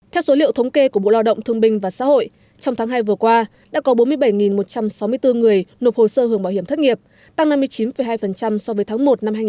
theo số liệu thống kê của bộ lo động thương binh và xã hội trong tháng hai vừa qua đã có bốn mươi bảy một trăm sáu mươi bốn người nộp hồ sơ hưởng bảo hiểm thất nghiệp tăng năm mươi chín hai so với tháng một